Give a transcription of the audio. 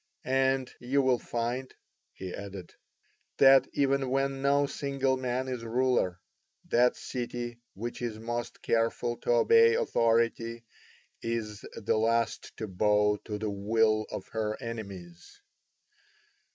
And you will find," he added, "that even when no single man is ruler, that city which is most careful to obey authority is the last to bow to the will of her enemies.